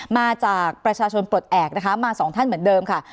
มาจากประชาชนปลดแอบนะคะมาสองท่านเหมือนเดิมค่ะ